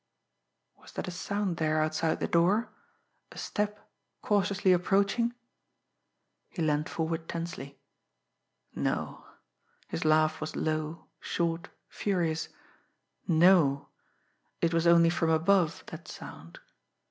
Was that a sound there outside the door? A step cautiously approaching? He leaned forward tensely. No his laugh was low, short, furious no! It was only from above, that sound.